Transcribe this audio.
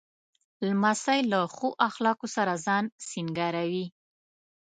لمسی له ښو اخلاقو سره ځان سینګاروي.